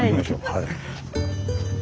はい。